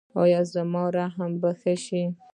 ایا زما رحم به ښه شي؟